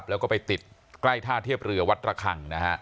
แล้วก็ไปติดใกล้ท่าเทียบเรือวัดระคังนะฮะ